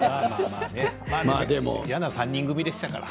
でも嫌な３人組でしたから。